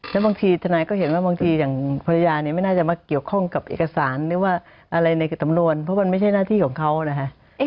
แล้วบางทีทนายก็เห็นว่าบางทีอย่างภรรยาเนี่ยไม่น่าจะมาเกี่ยวข้องกับเอกสารหรือว่าอะไรในสำนวนเพราะมันไม่ใช่หน้าที่ของเขานะฮะ